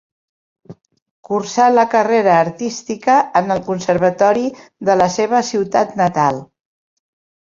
Cursà la carrera artística en el Conservatori de la seva ciutat natal.